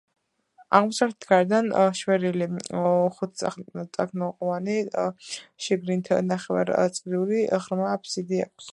აღმოსავლეთით გარედან შვერილი ხუთწახნაგოვანი, შიგნით ნახევარწრიული ღრმა აფსიდი აქვს.